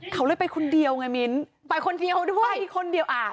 เขาเลยไปคนเดียวไงมิ้นไปคนเดียวด้วยไปคนเดียวอ่า